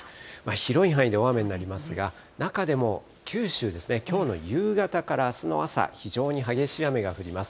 広い範囲で大雨になりますが、中でも九州ですね、きょうの夕方からあすの朝、非常に激しい雨が降ります。